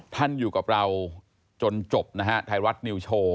อยู่กับเราจนจบนะฮะไทยรัฐนิวโชว์